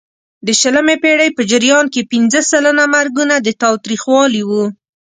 د شلمې پېړۍ په جریان کې پینځه سلنه مرګونه د تاوتریخوالي وو.